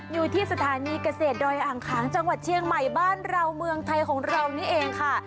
อยู่ที่สถานีเกษตรดอยอ่างขางจังหวัดเชียงใหม่บ้านเราเมืองไทยของเรานี่เองค่ะ